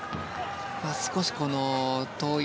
少し遠い。